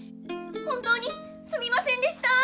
本当にすみませんでした！